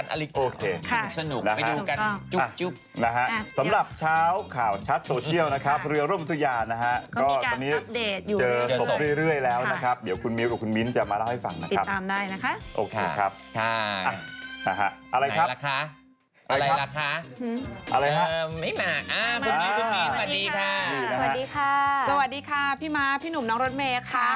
ไม่มาอ้าวพี่นุ่มน้องรถเมฆค่ะสวัสดีค่ะพี่นุ่มน้องรถเมฆค่ะสวัสดีค่ะสวัสดีค่ะพี่นุ่มน้องรถเมฆค่ะ